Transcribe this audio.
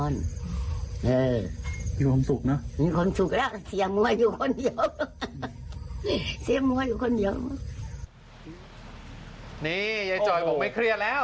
นี่ยายจอยบอกไม่เครียดแล้ว